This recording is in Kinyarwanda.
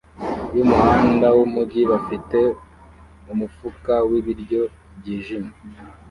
yumuhanda wumujyi bafite umufuka wibiryo byijimye